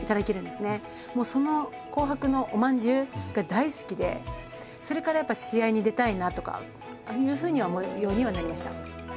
もうその紅白のお饅頭が大好きでそれからやっぱ試合に出たいなとかいうふうには思うようにはなりました。